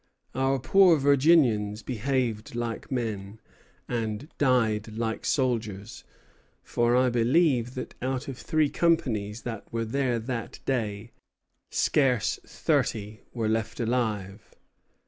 "Our poor Virginians behaved like men, and died like soldiers; for I believe that out of three companies that were there that day, scarce thirty were left alive.